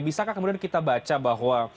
bisakah kemudian kita baca bahwa